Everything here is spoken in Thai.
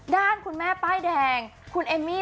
ด้านคุณแม่ป้ายแดงคุณเอมมี่